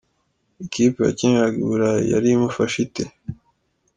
Ikipe yakiniraga i burayi yari imufashe ite?.